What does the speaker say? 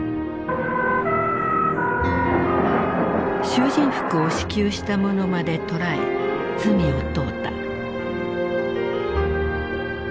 囚人服を支給した者まで捕らえ罪を問うた。